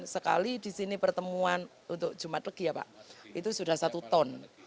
sekali di sini pertemuan untuk jumat legi ya pak itu sudah satu ton